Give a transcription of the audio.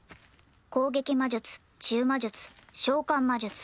攻撃魔術治癒魔術召喚魔術。